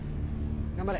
頑張れ。